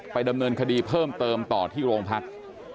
ดำเนินคดีเพิ่มเติมต่อที่โรงพัก